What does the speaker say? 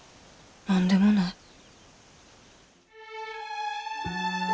何でもない。